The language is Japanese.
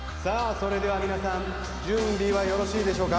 それでは皆さん準備はよろしいでしょうか？